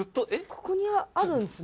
ここにあるんですね